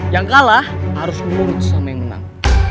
yang kalah harus menang sama yang menang